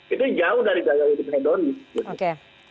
itu jauh dari gaya hidup hedonis